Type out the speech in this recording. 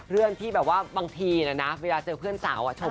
เรื่องที่แบบว่าบางทีนะนะเวลาเจอเพื่อนสาวชม